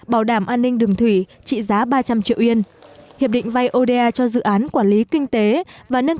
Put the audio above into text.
bảo đảm an ninh đường thủy trị giá ba trăm linh triệu yên